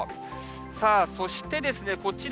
さあそしてですね、こちら